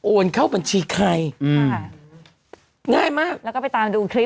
เข้าบัญชีใครอืมง่ายมากแล้วก็ไปตามดูคลิป